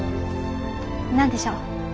何でしょう？